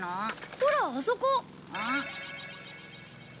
ほらあそこ。